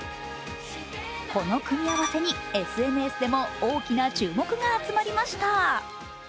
この組み合わせにＳＮＳでも注目が集まりました。